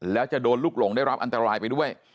แล้วจะโดนลูกหลงได้รับอันตรายไปด้วย